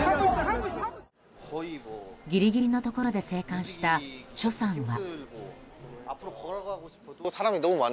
ギリギリのところで生還したチョさんは。